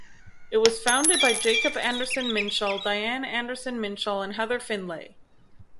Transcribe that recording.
It was founded by Jacob Anderson-Minshall, Diane Anderson-Minshall and Heather Findlay.